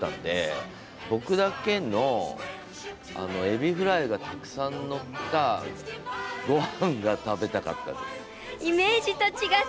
エビフライがたくさん載ったご飯が食べたかったです。